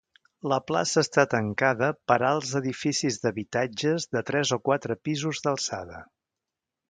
La plaça està tancada per alts edificis d'habitatges de tres o quatre pisos d'alçada.